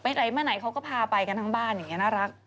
ไหนมาไหนเขาก็พาไปกันทั้งบ้านอย่างนี้น่ารัก